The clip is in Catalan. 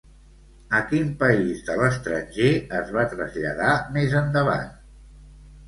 A quin país de l'estranger es va traslladar més endavant?